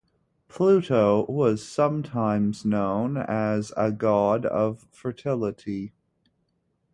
Pluto was sometimes known as agod of fertility.